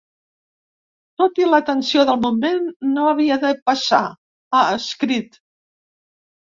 Tot i la tensió del moment, no havia de passar, ha escrit.